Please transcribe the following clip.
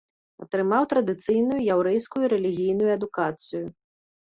Атрымаў традыцыйную яўрэйскую рэлігійную адукацыю.